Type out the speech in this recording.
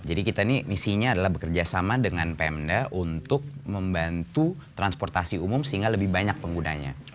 jadi kita ini misinya adalah bekerja sama dengan pmdad untuk membantu transportasi umum sehingga lebih banyak penggunanya